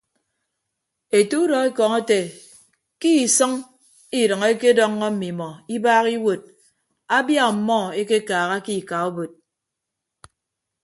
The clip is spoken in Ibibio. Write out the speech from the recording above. Ete udọekọñ ete ke isʌñ idʌñ ekedọññọ mmimọ ibaaha iwuod abia ọmmọ ekekaaha ke ika obod.